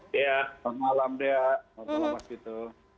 selamat malam mas vito